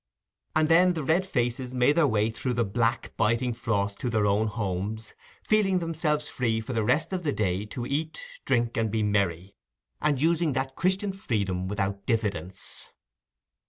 And then the red faces made their way through the black biting frost to their own homes, feeling themselves free for the rest of the day to eat, drink, and be merry, and using that Christian freedom without diffidence.